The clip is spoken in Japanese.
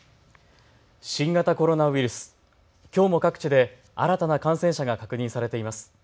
新型コロナウイルス、きょうも各地で新たな感染者が確認されています。